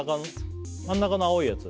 真ん中の青いやつ？